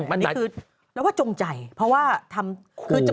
อะไรอย่างนี้เพราะว่าอย่างที่บอกว่า